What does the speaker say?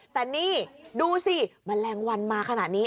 แต่นี่ดูสิแมลงวันมาขนาดนี้